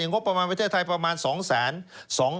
งบประมาณประเทศไทยประมาณ๒แสน